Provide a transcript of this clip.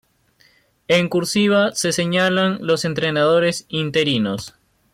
En "cursiva" se señalan los entrenadores interinos.